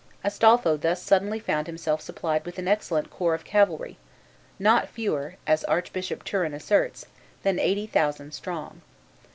Astolpho thus suddenly found himself supplied with an excellent corps of cavalry, not fewer (as Archbishop Turpin asserts) than eighty thousand strong.